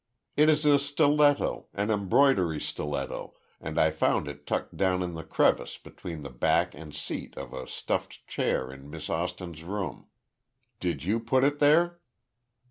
"It is a stiletto—an embroidery stiletto—and I found it tucked down in the crevice between the back and seat of a stuffed chair in Miss Austin's room. Did you put it there?"